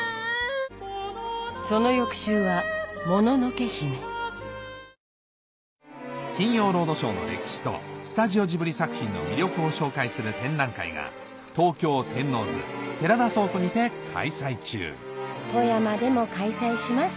その翌週は『もののけ姫』『金曜ロードショー』の歴史とスタジオジブリ作品の魅力を紹介する展覧会が東京・天王洲寺田倉庫にて開催中富山でも開催します